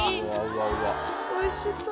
おいしそう。